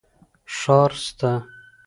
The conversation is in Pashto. ښار سته.